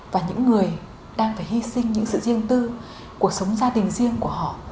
và những người đang phải hy sinh những sự riêng tư cuộc sống gia đình riêng của họ